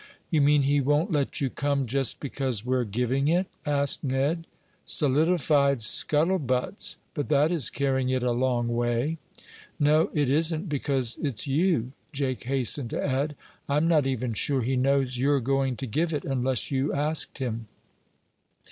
"You mean he won't let you come just because we're giving it?" asked Ned. "Solidified scuttle butts! but that is carrying it a long way." "No, it isn't because it's you," Jake hastened to add. "I'm not even sure he knows you're going to give it, unless you asked him."